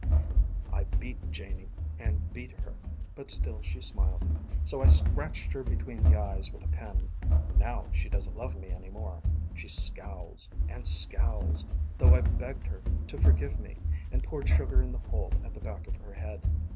:: ┬Ā┬ĀI beat Janie ┬Ā┬Āand beat herŌĆ" ┬Ā┬Ābut still she smiledŌĆ" ┬Ā┬Āso I scratched her between the eyes with a pin. ┬Ā┬ĀNow she doesn't love me anymoreŌĆ" ┬Ā┬Āshe scowlsŌĆ" and scowlsŌĆ" ┬Ā┬Āthough I've begged her to forgive me ┬Ā┬Āand poured sugar in the hole at the back of her head.